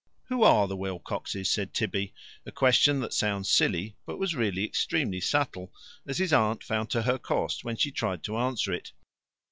"Who ARE the Wilcoxes?" said Tibby, a question that sounds silly, but was really extremely subtle, as his aunt found to her cost when she tried to answer it.